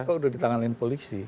kok udah ditangani polisi